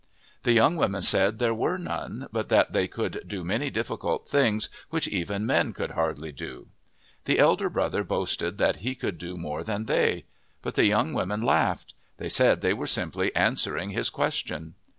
The young women said there were none, but that they could do many difficult things which even men could hardly do. The elder brother boasted that he could do more than they. But the young women laughed. They said they were simply answering his question.